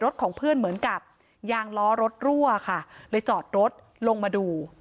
ของเพื่อนเหมือนกับยางล้อรถรั่วค่ะเลยจอดรถลงมาดู